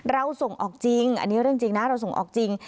เราส่งออกจริงอันนี้เรื่องจริงนะเราส่งออกจริง